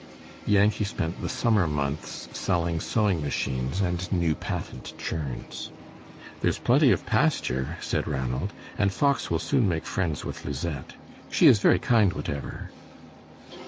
Yankee spent the summer months selling sewing machines and new patent churns. "There's plenty of pasture," said Ranald, "and Fox will soon make friends with Lisette. She is very kind, whatever."